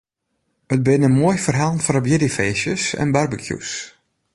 It binne moaie ferhalen foar op jierdeifeestjes en barbekjûs.